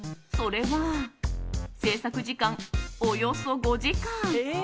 それは、制作時間およそ５時間。